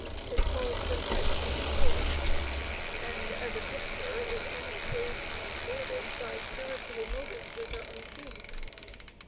It calls for grit and endurance, and, as a picture, is only saved from the sordid by spiritual motives which are unseen.